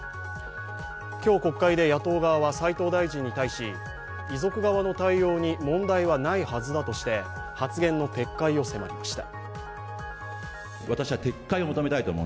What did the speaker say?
今日、国会で野党側は齋藤大臣に対し遺族側の対応に問題はないはずだとして発言の撤回を迫りました。